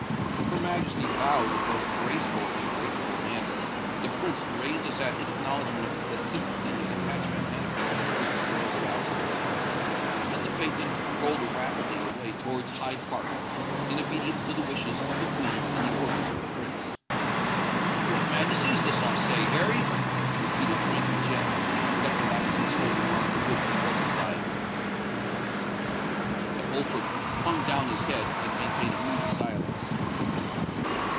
Her Majesty bowed in a most graceful and grateful manner: the Prince raised his hat in acknowledgment of the sympathy and attachment manifested towards his royal spouse and himself;—and the phaeton rolled rapidly away towards Hyde Park, in obedience to the wishes of the Queen and the orders of the Prince. "What madness is this, I say, Harry?" repeated Crankey Jem, without relaxing his hold upon the would be regicide. But Holford hung down his head, and maintained a moody silence.